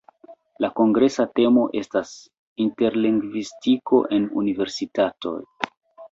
La kongresa temo estas: "Interlingvistiko en universitatoj".